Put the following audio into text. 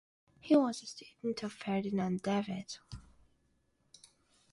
He was a student of Ferdinand David.